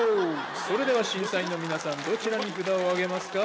それでは審査員の皆さんどちらに札をあげますか？